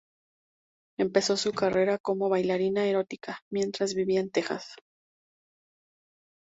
Empezó su carrera como bailarina erótica, mientras vivía en Texas.